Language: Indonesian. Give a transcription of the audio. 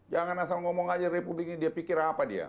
jangan asal ngomong aja republik ini dia pikir apa dia